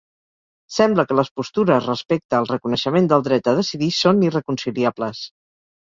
Sembla que les postures respecte al reconeixement del dret a decidir són irreconciliables.